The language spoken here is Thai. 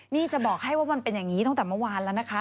นี่จะบอกให้ว่ามันเป็นอย่างนี้ตั้งแต่เมื่อวานแล้วนะคะ